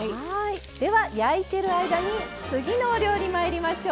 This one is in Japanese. では焼いている間に次のお料理まいりましょう。